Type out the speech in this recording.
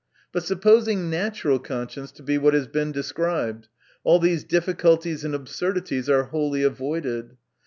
But supposing natural conscience to be what has been described, all these difficulties and absurdities are wholly avoided.